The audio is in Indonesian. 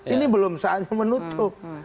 ini belum saatnya menutup